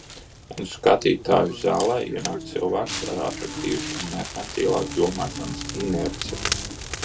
Un skatītāju zālē ienāk cilvēks ar atraktīvas vai merkantilās domāšanas inerci.